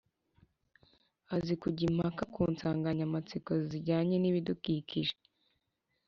azi kujya impaka ku nsanganyamatsiko zijyanye n’ibidukikije;